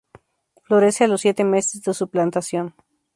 Florece a los siete meses de su plantación.